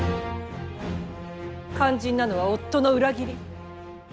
肝心なのは夫の裏切り！